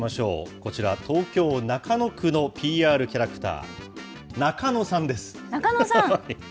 こちら、東京・中野区のＰＲキャラクター、ナカノさん。